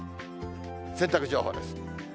洗濯情報です。